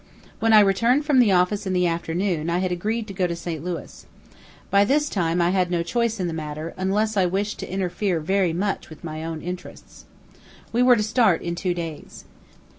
When I returned from the office in the afternoon, I had agreed to go to St. Louis. By this time, I had no choice in the matter, unless I wished to interfere very much with my own interests. We were to start in two days.